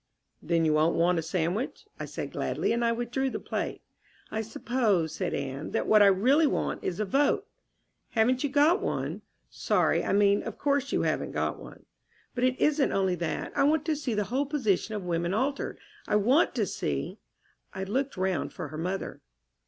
"Then you won't want a sandwich," I said gladly, and I withdrew the plate. "I suppose," said Anne, "that what I really want is a vote." "Haven't you got one? Sorry; I mean, of course you haven't got one." "But it isn't only that. I want to see the whole position of women altered. I want to see " I looked round for her mother.